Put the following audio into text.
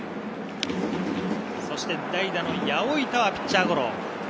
代打の八百板はピッチャーゴロ。